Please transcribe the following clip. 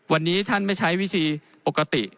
วันนี้ท่านไม่ใช้วิธีปกติ